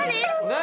何？